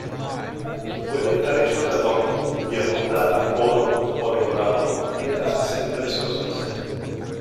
Puede estar hecho de latón, hierro, plata, oro o decorado con piedras semipreciosas.